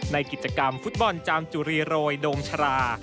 ในกิจกรรมฟุตบอลจามจุรีโรยดงชรา